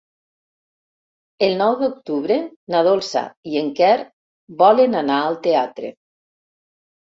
El nou d'octubre na Dolça i en Quer volen anar al teatre.